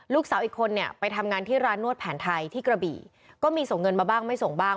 ลูกสาวอีกคนเนี่ยไปทำงานที่ร้านนวดแผนไทยที่กระบี่ก็มีส่งเงินมาบ้างไม่ส่งบ้าง